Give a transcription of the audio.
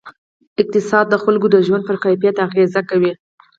اقتصاد د خلکو د ژوند پر کیفیت اغېز کوي.